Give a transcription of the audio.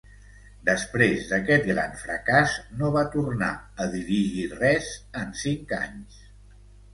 Després d’aquest gran fracàs, no va tornar a dirigir res en cinc anys.